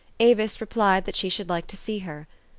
Avis replied that she should like to see her.